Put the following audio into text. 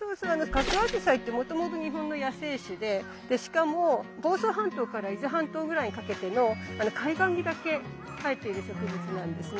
ガクアジサイってもともと日本の野生種でしかも房総半島から伊豆半島ぐらいにかけての海岸にだけ生えている植物なんですね。